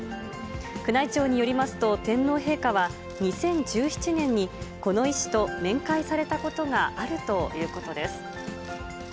宮内庁によりますと、天皇陛下は、２０１７年にこの医師と面会されたことがあるということです。